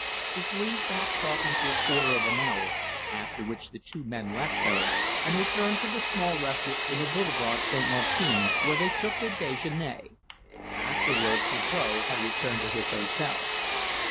The three sat talking for a quarter of an hour, after which the two men left her and returned to a small restaurant in the boulevard St. Martin, where they took their déjeuner. Afterwards Suzor had returned to his hotel.